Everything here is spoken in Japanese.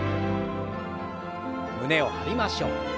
胸を張りましょう。